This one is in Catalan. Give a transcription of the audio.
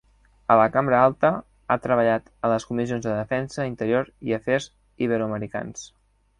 A la cambra alta ha treballat a les comissions de defensa, interior i afers iberoamericans.